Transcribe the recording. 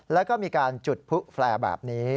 แล้วก็มีการจุดพลุแฟร์แบบนี้